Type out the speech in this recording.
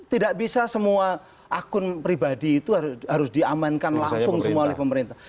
tidak bisa semua akun pribadi itu harus diamankan langsung semua oleh pemerintah